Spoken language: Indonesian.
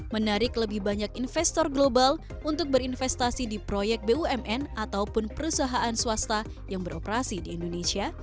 menarik lebih banyak investor global untuk berinvestasi di proyek bumn ataupun perusahaan swasta yang beroperasi di indonesia